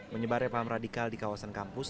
menyebarnya paham radikal di kawasan kampus